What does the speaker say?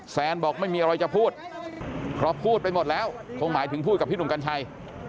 แซนบอกไม่มีอะไรจะพูดเพราะพูดไปหมดแล้วคงหมายถึงพูดกับพี่หนุ่มกัญชัย